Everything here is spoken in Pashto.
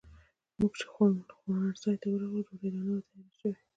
موږ چې خوړنځای ته ورغلو، ډوډۍ لا نه وه تیاره شوې.